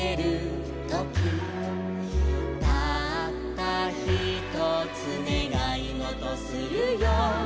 「たったひとつねがいごとするよ」